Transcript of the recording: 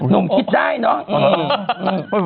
นุ่มคิดได้เนอะ